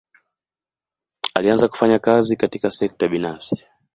Alianza kufanya kazi katika sekta binafsi.